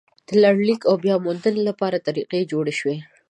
د لړلیک او بیا موندنې لپاره طریقې جوړې شوې.